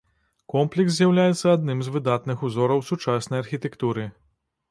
Комплекс з'яўляецца адным з выдатных узораў сучаснай архітэктуры.